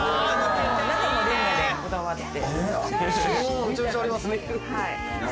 中のレンガもこだわって。